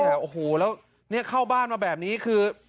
โอ้โหแล้วเข้าบ้านมาแบบนี้คือ